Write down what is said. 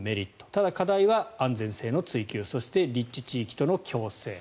ただ課題は安全性の追求そして立地地域との共生。